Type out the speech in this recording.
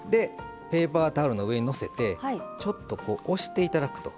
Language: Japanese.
ペーパータオルの上にのせてちょっと押して頂くと。